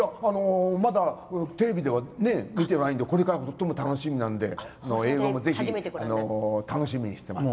まだテレビでは出ていないのでこれから楽しみなので英語もぜひ楽しみにしてます。